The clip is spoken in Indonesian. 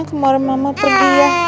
kemarin mama pergi ya